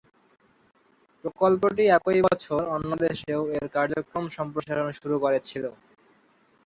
প্রকল্পটি একই বছর অন্য দেশেও এর কার্যক্রম সম্প্রসারণ শুরু করেছিল।